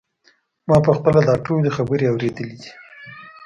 ما په خپله دا ټولې خبرې اورېدلې دي.